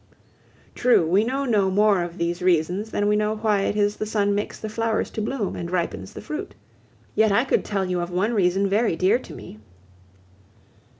True, we know no more of these reasons than we know why it is the sun makes the flowers to bloom, and ripens the fruit. Yet I could tell you of one reason very dear to me.